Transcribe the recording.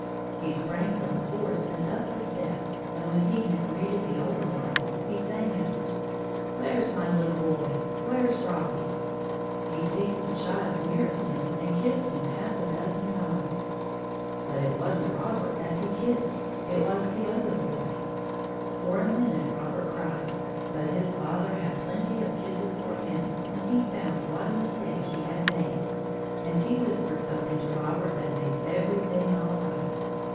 He sprang from the horse and up the steps, and when he had greeted the older ones, he sang out: "Where's my little boy where's Robbie?" He seized the child nearest him and kissed him half a dozen times. But it wasn't Robert that he kissed. It was the other boy! For a minute Robert cried, but his father had plenty of kisses for him when he found what a mistake he had made, and he whispered something to Robert that made everything all right.